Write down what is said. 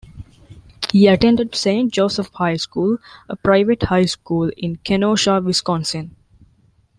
He attended Saint Joseph High School, a private high school in Kenosha, Wisconsin.